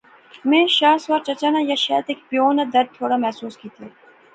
میں شاہ سوار چچا نا یا شیت ہیک پیو ناں درد تھوڑا محسوس کیتیا